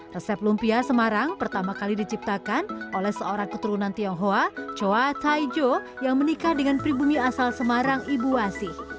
resep lumpia semarang pertama kali diciptakan oleh seorang keturunan tionghoa choa taijo yang menikah dengan pribumi asal semarang ibu wasih